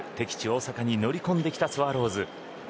大阪に乗り込んできたスワローズ。